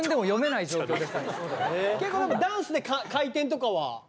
ダンスで回転とかは？